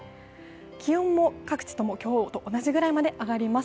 気温も各地とも今日と同じくらいまで上がります。